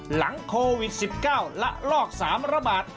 หลังโควิด๑๙ละลอก๓ระบาด